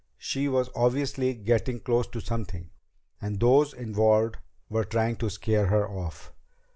She was obviously getting close to something and those involved were trying to scare her off.